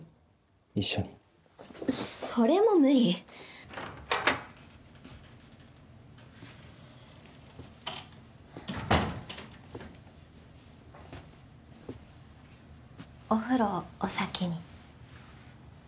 一緒にそれも無理お風呂お先にさっぱりした？